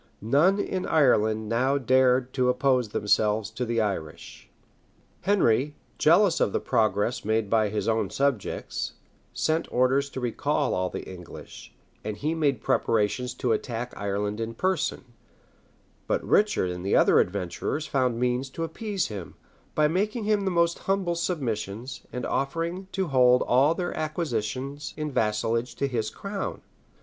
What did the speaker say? None in Ireland now dared to oppose themselves to the English. Henry, jealous of the progress made by his own subjects, sent orders to recall all the English, and he made preparations to attack Ireland in person; but Richard and the other adventurers found means to appease him, by making him the most humble submissions, and offering to hold all their acquisitions in vassalage to his crown.